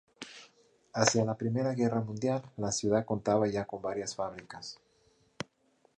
Hacia la Primera Guerra Mundial la ciudad contaba ya con varias fábricas.